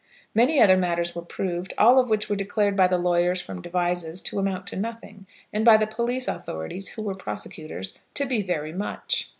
Many other matters were proved, all of which were declared by the lawyer from Devizes to amount to nothing, and by the police authorities, who were prosecutors, to be very much.